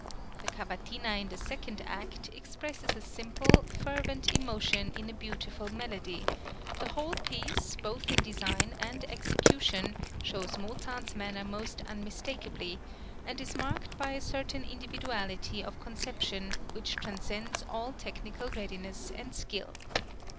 The cavatina in the second act (15) expresses a simple, fervent emotion in a beautiful melody; the whole piece, both in design and execution, shows Mozart's manner most unmistakably; and is marked by a certain individuality of conception which transcends all technical readiness and skill.